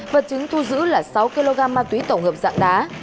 vật chứng thu giữ là sáu kg ma túy tổng hợp dạng đá